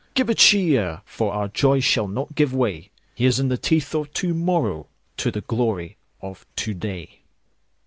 Give a cheer! For our joy shall not give way. Here's in the teeth of to morrowTo the glory of to day!